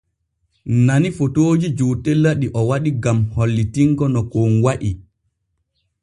Nani fotooji jootela ɗi o waɗi gam hollitingo no kon wa’i.